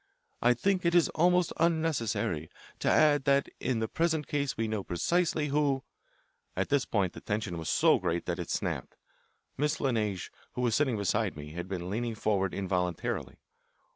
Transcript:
I think it is almost unnecessary to add that in the present case we know precisely who " At this point the tension was so great that it snapped. Miss La Neige, who was sitting beside me, had been leaning forward involuntarily.